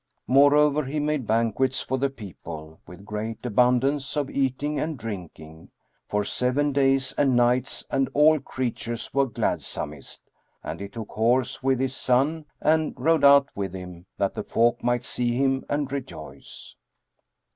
Moreover, he made banquets for the people, with great abundance of eating and drinking, for seven days and nights and all creatures were gladsomest; and he took horse with his son and rode out with him, that the folk might see him and rejoice.